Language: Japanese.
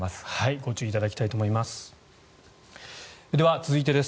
ご注意いただきたいと思います。